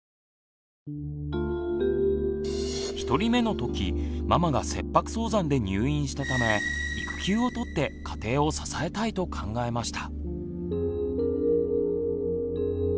１人目の時ママが切迫早産で入院したため育休をとって家庭を支えたいと考えました。